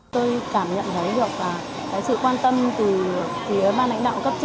tôi cảm nhận thấy được sự quan tâm từ phía ban lãnh đạo cấp tỉnh